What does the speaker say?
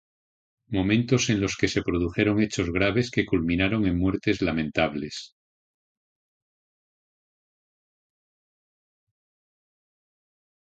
Momentos en los que se produjeron hechos graves que culminaron en muertes lamentables.